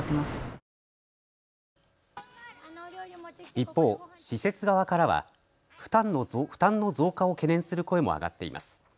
一方、施設側からは負担の増加を懸念する声も上がっています。